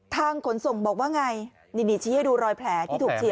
ขนส่งบอกว่าไงนี่ชี้ให้ดูรอยแผลที่ถูกฉีด